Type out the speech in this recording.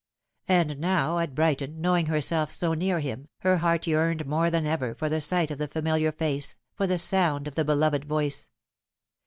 And now at Brighton, knowing herself so near him, her heart yearned more than ever for the sight of the familiar face, for the sound of the beloved voice.